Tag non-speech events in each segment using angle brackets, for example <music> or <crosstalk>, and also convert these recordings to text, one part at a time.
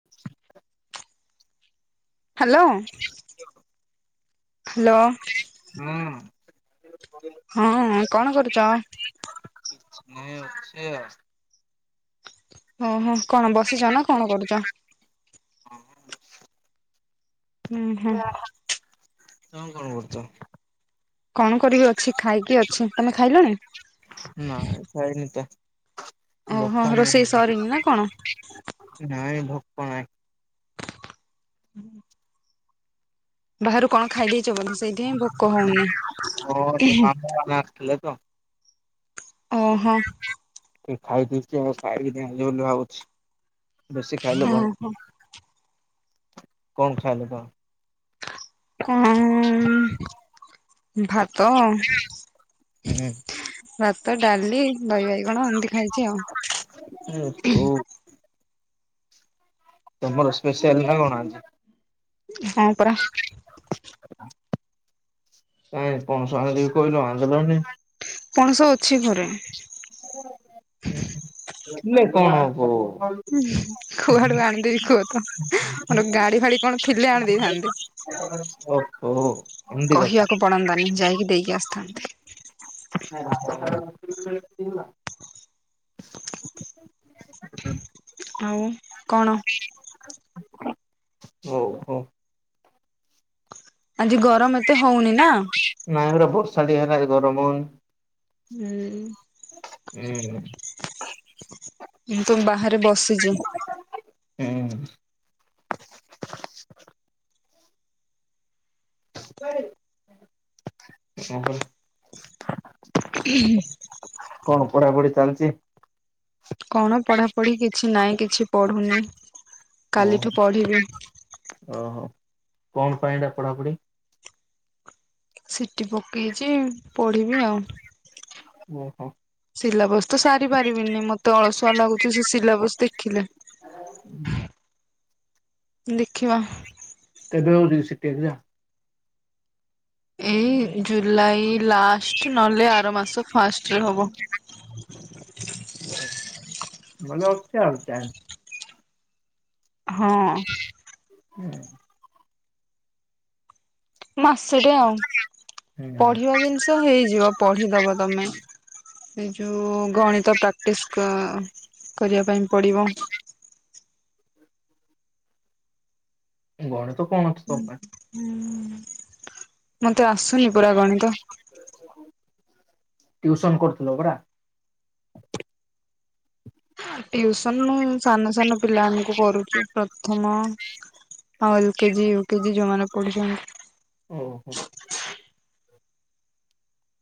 <unintelligible> Hello. କିଅ hello. ହଁ। ହଁ କଣ କରୁଚ? କିଛି ନାଇଁ ଅଛି ଆଉ। ଓହୋ କଣ ବସିଚ ନା କଣ କରୁଚ? ହଁ ବସିଚି। ଉଁ ହୁଁ। ତମେ କଣ କରୁଚ? କଣ କରିବି ଅଛି ଖାଇକି ଅଛି ତମେ ଖାଇଲଣି? ନାଇଁ ଖାଇନି ତ ଓହୋ ଭୋକ ରୋଷେଇ ନାଇଁ। ସରିନି ନା କଣ ନାଇଁ ଭୋକ ନାଇଁ। ହୁଁ। ବାହାରୁ କଣ ଖାଇ ଦେଇଛ ବୋଧେ ସେଇଥିଇଁ ଭୋକ ହଉନି। ଆମେ ଆସିଥିଲେ ତ ଓହୋ ଟିକେ ଖାଇଦେଇଛି ଆଉ ଖାଇବିନି ବୋଲି ଭାବୁଛି ବେଶୀ ଖାଇଲେ ଭଲ ଓହୋ କଣ ଖାଇଲେ ତ ମ୍? କଣ ଉଁ ଭାତ ତମେ? ଭାତ, ଡାଲି, ଦହି ବାଇଗଣ ଏମ୍ ତି ଖାଇଛି ଆଉ। ହୁଁ ଓ। ତମର ସ୍ପେଶାଲ ନ ଅ ଣ ଅଜି? ହଁ ପରା। <inaudible> କାଇଁ ପଣସ ଆଣି ଦେବୀ କହିଲ ଆଣି ଦେଲନି ପଣସ ଅଛି ଘରେ। <unintelligible> ଥିଲେ କଅ ହଵ କୁଆଡୁ ଆଣିଦେବି କୁହ ତ ମୋର ଗାଡି ଫାଡି କଣ ଥିଲେ ଆଣି ଦେଇଥାନ୍ତି। ଓହୋ ଏମତି କଥା। କହିବାକୁ ପଡନ୍ତାନି ଯାଇକି ଦେଇକି ଆସିଥାନ୍ତି। <unintelligible> <inaudible> <unintelligible> ଆଉ କଣ? <inaudible> ଓହୋ। ଆଜି ଗରମ ଏତେ ହଉନି ନା। ନାଇଁ ରେ ବର୍ଷା ଟିକେ ହେଲା ଗରମ ହଉନି। ହୁଁ ଉଁ। ମୁଁ ତ ବାହାରେ <inaudible> ବସିଛି ଉଁ <unintelligible> ଉଁ ହୁଁ। କଣ ପଢାପଢି ଚାଲିଛି? କଣ ପଢ଼ାପଢ଼ି କିଛି ନାହିଁ କିଛି ପଢ଼ୁନି ଓହୋ କାଲିଠୁ ପଢ଼ିବି। ଓହୋ, କଣ ପାଇଁ ଏଟା ପଢାପଢି? ସିଟି ପକେଇଚି ପଢିବି ଆଉ। ଓହୋ <inaudible> ସିଲାବସ ତ ସାରି ପାରିବିନି ମତେ ଅଳସୁଆ ଲାଗୁଛି ସେ ସିଲାବସ ଦେଖିଲେ। <inaudible> ଦେଖିବା। କେବେ ହଉଚି ସିଟି ଏଗଜାମ? ଏଇ ଜୁଲାଇ ଲାଷ୍ଟ ନହେଲେ ଆର ମାସ ଫାଷ୍ଟରେ ହେବ। ଓ <unintelligible> ଭଲ ଅଛି ଅଉ ଚନ୍ <unintelligible> ହଁ <unintelligible> ହୁଁ। ମାସେଟେ ଆଉ ହୁଁ ପଢିବା ଜିନିଷ ହେଇଯିବ ପଢିଦବ ତମେ। ଏ ଯୋଉ ଗଣିତ ପ୍ରାକ୍ଟିସ କ କରିବା ପାଇଁ ପଡିବ। ଗଣିତ କଣ? ଅଛି ତୋ ହୁଁ ପାଇଁ ହୁଁ ମତେ ଆସୁନି ପୁରା ଗଣିତ। <inaudible> ଟିଉସନ କରୁଥିଲ ପରା। ଟିଉସନ ମୁ ସାନ ସାନ ପିଲା ମାନକୁ କରୁଛି ପ୍ରଥମ। ଆଉ ଏଲ କେଜି ୟୁ କେଜି ଯୋଉମାନେ ପଢୁଛନ୍ତି। ଓ ହୋଁ।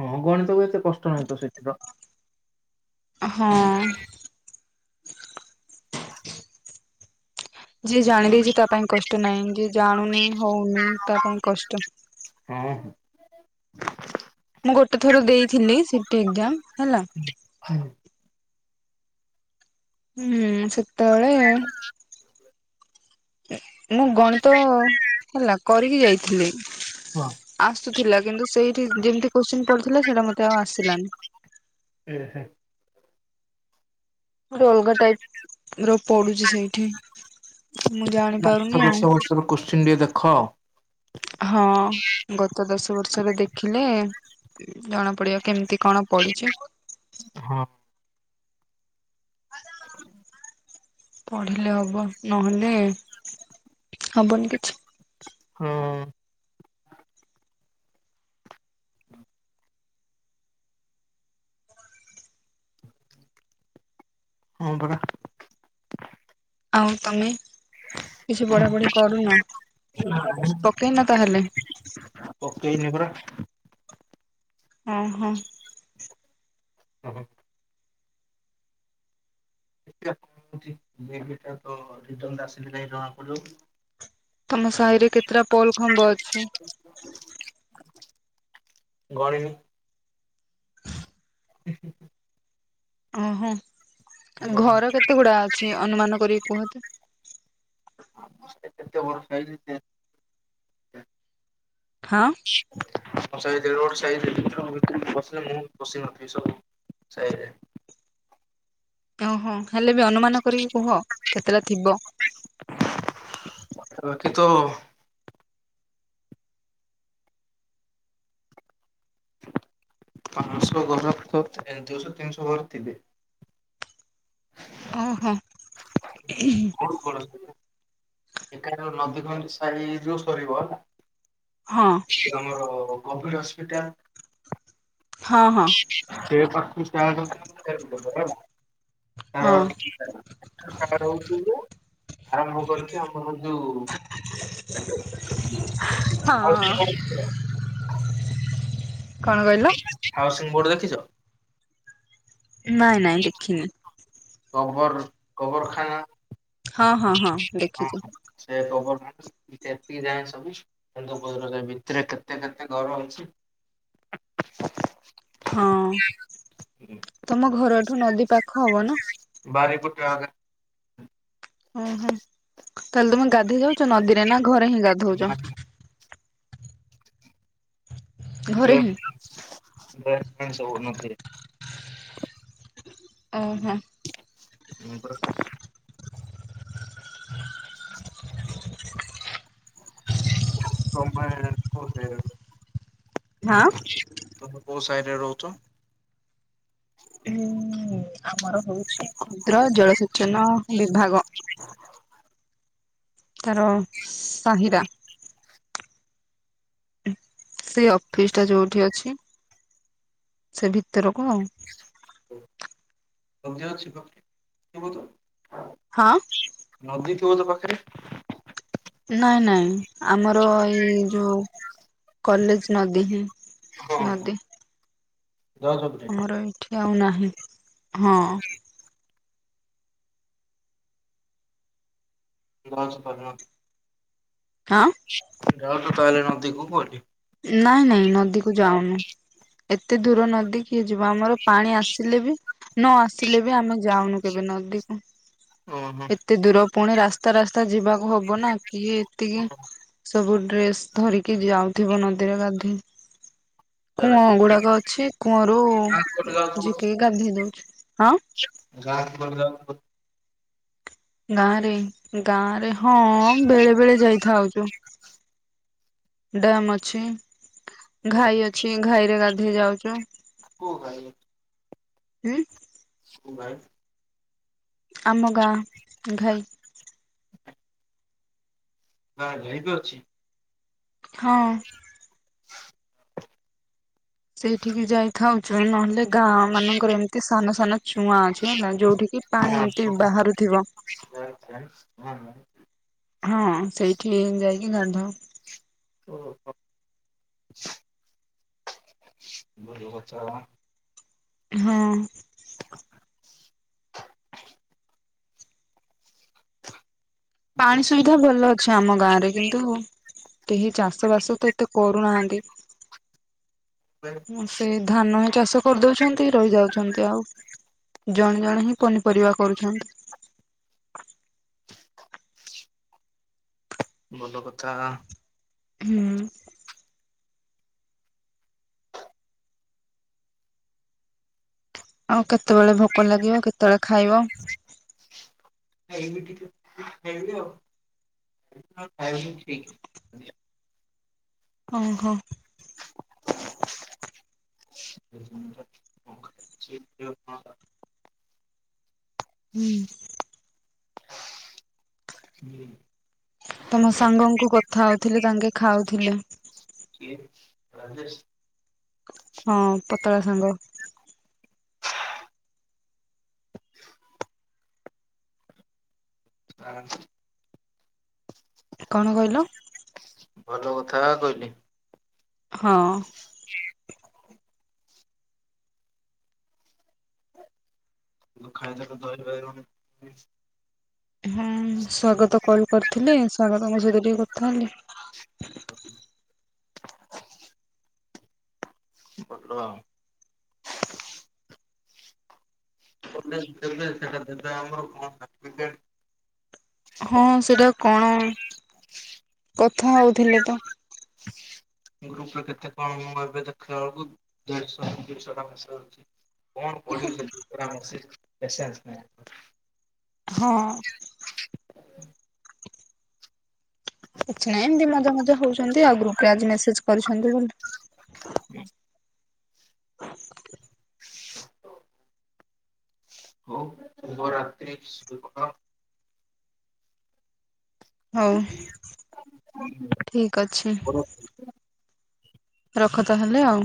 ହଁ ଗଣିତ କୁ ଏତେ କଷ୍ଟ ନାହିଁ ତ ସେଠିର। ଅ ହଁ। ଯିଏ ଜାଣିଦେଇଛି ତା ପାଇଁ କଷ୍ଟ ନାଇ ଯିଏ ଜାଣୁନି ହଉନି ତା ପାଇଁ କଷ୍ଟ। ହଁ ହଁ। ମୁଁ ଗୋଟେ ଥର ଦେଇଥିଲି ସିଟି ଏକଜମ୍ ହେଲା। ହଁ। ହୁଁ ସେତେବେଳେ ହଁ। ମୁଁ ଗଣିତ ହେଲା କରିକି ଯାଇଥିଲି। ଆସୁଥିଲା କିନ୍ତୁ ସେଇଠି ଯେମିତି କୋଶ୍ଚିନ୍ ପଡିଥିଲା ସେଇଟା ମତେ ଆଉ ଆସିଲାନି। ହ ହୁଁ। ଗୋଟେ ଅଲଗା ଟାଇପ ର ପଡୁଛି ସେଇଠି ମୁଁ ଜାଣିପାରୁନି ଆଉ। କୋଶ୍ଚିିନ ଟିଏ ଦେଖ। ହଁ ଗତ ଦଶ ବର୍ଷର ଦେଖିଲେ ଜଣା ପଡିବ କେମିତି କଣ? ପଡିଛି। ହଁ। <inaudible> ପଢିଲେ ହବ ନହେଲେ ହବନି କିଛି। ହଁ। ହଁ ପରା। ଆଉ ତମେ କିଛି ପଢ଼ାପଢ଼ି କରୁନ ପକେଇନ ତାହେଲେ? ପକେଇନି ପରା। ଅ ହଁ। ହ ହ। ଦେଖିବା କଣ ହଉଛି <unintelligible> ଆସିଲି ନାହିଁ <unintelligible> ଜଣା ପଡିବ। ତମ ସାହିରେ କେତେଟା ପୋଲ ଖମ୍ବ ଅଛି? ଗଣିନି। ହୁଁ ହୁଁଁ। ଓହୋ ଗଣିନି। ଘର କେତେ ଗୁଡା ଅଛି ଅନୁମାନ କରିକି କୁହ? ଏତେ ବର୍ଷା ହେଇଛି ଯେ। ହଁ। ଆମ ସାହି ଦେଉଳ ସାହିରେ <unintelligible> ବା <inaudible> ଜିନିଷ ସେଇ। ଓହୋ ହେଲେ ବି ଅନୁମାନ କରିକି କୁହ କେତେଟା ଥିବ? ପାଖରେ ଅଛି ତ। ପାଞ୍ଚଶହ ଘର ତ ଦୁଇଶହ ତିନିଶହ ଘରେ ଥିବେ। <inaudible> ଓହୋ। ହଁ କଣ କରନ୍ତି? ଏ ନଦୀ ଖଞ୍ଜି ସାଇ ଯୋଉ ସରିବ ହଁ। କି ଆମର କପିଲ ହସ୍ପିଟାଲ ହଁ ହଁ। ସେ ପ <inaudible> ହଉ ହଁ ଯେ ଆରମ୍ଭ କରି କି ଆମର ଯୋଉ ହଁ <inaudible> କଣ କହିଲୁ? ହାଉସିଂ ବୋର୍ଡ ଦେଖିଛ? ନାଇଁ ନାଇଁ ଦେଖିନି। କବର କବର ଖାନା ହଁ ହଁ ହଁ ହଁ ଦେଖିଛି। ହ ସେ ଖବର ସେକ ଯାଏ ସବୁ କେନ୍ଦୁପ ଭିତରେ କେତେ କେତେ ଘର ଅଛି। ହଁ ତମ ଘରଠୁ ନଦୀ ପାଖ ହବ ନା? ବାରି ପଟେ ଆରେ ଓ ହୋ ତାହେଲେ ତମେ ଗାଧୋଇ ଯାଉଛ ନଦୀରେ ନା ଘରେ ହିଁ ଗାଧଉଛ? ଘରେ ଦ ହିଁ ଦ ସନ <inaudible> <unintelligible> <unintelligible> <inaudible> <unintelligible> ହୁଁ ତମେ କୋଉ ସାଇଡ ରେ ରହୁଚ? ଉଁ ଆମର ହଉଚି କ୍ଷୁଦ୍ର ଜଳସେଚନ ବିଭାଗ। <inaudible> ତାର ସାହିରା। ସେ ଅଫିସ ଟା ଯୋଉଠି ଅଛି ସେ ଭିତରକୁ ଆଉ। <unintelligible> ହଁ। ନଦୀ ଥିବ ତ ପାଖରେ? ନାଇଁ ନାଇଁ। ଆମର ଏଇ ଯୋଉ କଲେଜ୍ ନଦୀ ହିଁ ହଁ ହଁ। ନଦୀ ଯାଉଛ ବୋଧେ? ଆମର ଏଇଠି ଆଉ ନାହିଁ। ହଁ। <unintelligible> <unintelligible> ଯାଉଚ ତାହେଲେ ନଦୀକୁ। <unintelligible> ନାଇଁ ନାଇଁ ନଦୀକୁ ଯାଉନୁ। ଏତେ ଦୂର ନଦୀ କି କିଏ ଯିବ। ଆମର ପାଣି ଆସିଲେ ବି ନ ଆସିଲେ ବି ଆମେ ଯାଉନୁ କେବେ ନଦୀକୁ। ଓ ହୋ। ଏତେ ଦୂର ପୁଣି ରାସ୍ତା ରାସ୍ତା ଯିବାକୁ ହବ ନା, କିଏ ଏତିକି ସବୁ ଡ୍ରେସ୍ ଧରିକି ଯାଉଥିବ ନଦୀରେ ଗାଧୋଇ। କୂଅ ଗୁଡାକ ଅଛି। କୂଅରୁ ଗାଁକୁ ଝିକିକି ଗାଧେଇ ଦଉଚୁ। ହଁ। ଗାଁ। <unintelligible> ଗାଁ ରେ ଗାଁ ରେ ହଁ ବେଳେ ବେଳେ ଯାଇଥାଉଚୁ। ଡ୍ୟାମ୍ ଅଛି। ଘାଇ ଅଛି। ଘାଇ ରେ ଗାଧେଇ ଯାଉଚୁ। ଉଁ? ଗାଁକୁ ଗାଈ ଅଛି <unintelligible> ଆମ ଗାଁ ଘାଇ। <inaudible> <unintelligible> ଅଛି। ହଁ। <inaudible> ସେଇଠିକି ଯାଇଥାଉଚୁ। ନହେଲେ ଗାଁ ମାନଙ୍କରେ ଏମିତି ସାନ ସାନ ଚୁଆଁ ଅଛି ହେଲା, ଯୋଉଠି କିି ହଁ ପାଣି ଏମିତି ବାହାରୁଥିବ। <unintelligible> ହଁ, ସେଇଠି ଯାଇକି ଗାଧାଉ। <unintelligible> ହଁ। ପାଣି ସୁବିଧା ଭଲ ଅଛି ଆମ ଗାଁରେ। କିନ୍ତୁ କେହି ଚାଷ ବାସ ତ ଏତେ କରୁନାହାନ୍ତି। ମୁଁ ସେ ଧାନ ହେ ଚାଷ କରିଦଉଛନ୍ତି ରହିଯାଉଛନ୍ତି ଆଉ ଜଣେ ଜଣେ ହିଁ ପନିପରିବା କରୁଛନ୍ତି। ଭଲ କଥା। ହୁଁ। ଆଉ କେତେବେଳେ ଭୋକ ଲାଗିବ କେତେବେଳେ ଖାଇବ? ହେଇନି ଟିକେ ହେନ୍ତି ଆଉ। <unintelligible> ଓ ହଁ। <inaudible> <unintelligible> ହୁଁ। <inaudible> ତମ ସାଙ୍ଗଙ୍କୁ କଥା ହଉଥିଲି ତାଙ୍କେ ଖାଉଥିଲେ। କିଏ ରାଜେଶ? ହଁ ପତଳା ସାଙ୍ଗ। <inaudible> <inaudible> କଣ କଇଲ? ଭଲ କଥା କହିଲି। ହଁ। କିଏ? ତୁ ଖାଇଦେଲୁ ଧହି ବାଇଗଣ ହେଚି। ହଁ ସ୍ଵାଗତ କଲ କରିଥିଲେ ସ୍ଵାଗତଙ୍କ ସହିତ ଟିକେ କଥା ହେଲି। ହ <inaudible> କରଦବା <unintelligible> ହଁ ସେଟା କଣ କଥା ହଉଥିଲେ ତ। <inaudible> ଗ୍ରୁପରେ କେତେ କଣ ମୁ ଏବେ ଦେଖିଲା ବେଳକୁ ଦେଢଶହ ଦିଶହ ଟଙ୍କା ଅଛି। କଣ ପଢିବି ସେଠି <unintelligible> ପେସେନ୍ସ ନାହିଁ। ହଁ। କିଛି ନାହିଁ ଏମିତି ମଜା ମଜା ହୋଉଚନ୍ତି ଆଉ ଗ୍ରୁପରେ ଆଜି ମେସେଜ କରିଛନ୍ତି ବୋଲି। ହୁଁ <inaudible> ହ <inaudible> ହଉ ଶୁଭ ରାତ୍ରି ଶୋଇପଡ଼। ହଉ ଠିକ୍ ଅଛି। ରଖ ତାହେଲେ ଆଉ।